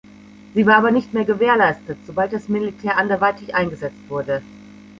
Sie war aber nicht mehr gewährleistet, sobald das Militär anderweitig eingesetzt wurde.